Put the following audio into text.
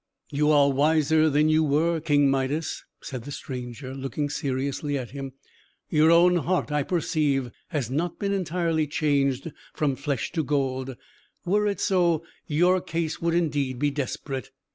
"You are wiser than you were, King Midas!" said the stranger, looking seriously at him. "Your own heart, I perceive, has not been entirely changed from flesh to gold. Were it so, your case would indeed be desperate.